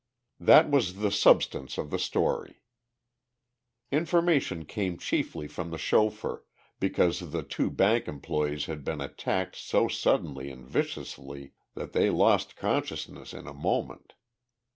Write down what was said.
That was the substance of the story. Information came chiefly from the chauffeur, because the two bank employees had been attacked so suddenly and viciously that they lost consciousness in a moment.